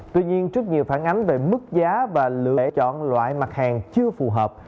tuy nhiên trước nhiều phản ánh về mức giá và lựa chọn loại mặt hàng chưa phù hợp